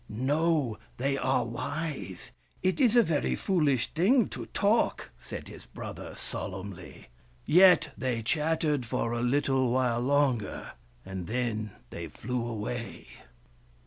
" No, they are wise. It is a very foolish thing to talk," said his brother solemnly. Yet they chat tered for a little while longer, and then they flew away.